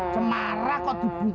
cemara kok dibuka